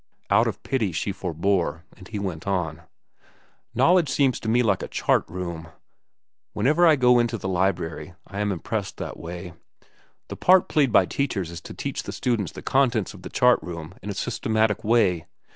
Out of pity she forebore, and he went on. "Knowledge seems to me like a chart room. Whenever I go into the library, I am impressed that way. The part played by teachers is to teach the student the contents of the chart room in a systematic way.